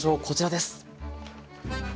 こちらです！